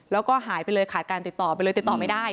แล้วก็หายไปเลยขาดการติดต่อไปเลยติดต่อไม่ได้